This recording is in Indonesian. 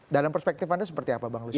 dalam perspektif anda seperti apa bang lusius